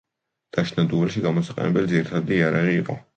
დაშნა დუელში გამოსაყენებელი ძირითადი იარაღი იყო.